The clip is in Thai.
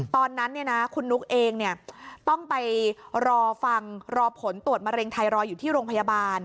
ตอนนั้นคุณนุ๊กเองต้องไปรอฟังรอผลตรวจมะเร็งไทรอยดอยู่ที่โรงพยาบาล